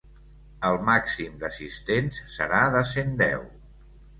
El màxim d’assistents serà de cent deu.